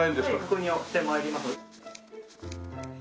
ここに寄って参ります。